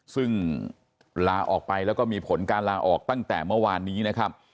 ซึ่งลาออกไปแล้วก็มีผลการลาออกตั้งแต่เมื่อวานนี้นะครับ